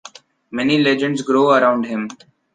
Many legends grow around him.